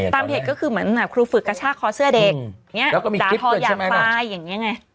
ตามเหตุก็คือเหมือนครูฝึกกระชากคอเสื้อเด็กดาทอย่างปลายอย่างนี้ไง